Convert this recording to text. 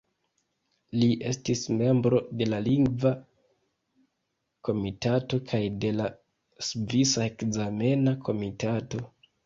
Li estis membro de la Lingva Komitato kaj de la Svisa Ekzamena Komitato.